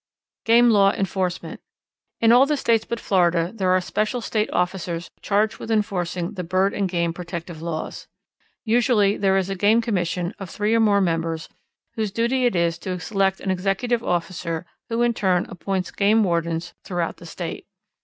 Game Law Enforcement. In all the States but Florida there are special State officers charged with enforcing the bird and game protective laws. Usually there is a Game Commission of three or more members whose duty it is to select an executive officer who in turn appoints game wardens throughout the State.